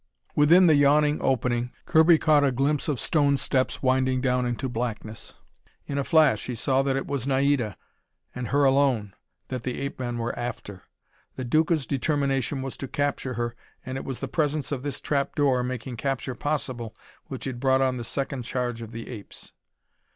Within the yawning opening, Kirby caught a glimpse of stone steps winding down into blackness. In a flash he saw that it was Naida, and her alone, that the ape men were after. The Duca's determination was to capture her, and it was the presence of this trapdoor, making capture possible, which had brought on the second charge of the apes.